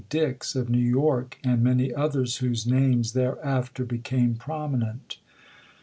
Dix of New York and many others whose names thereafter became prominent.